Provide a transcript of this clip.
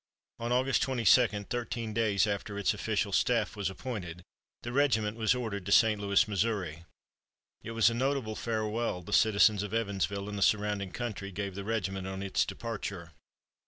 On August 22, thirteen days after its official staff was appointed, the regiment was ordered to St. Louis, Missouri. It was a notable farewell the citizens of Evansville and the surrounding country gave the regiment on its departure.